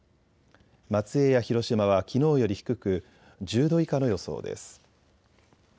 松江や広島はきのうより低く１０度以下の予想です。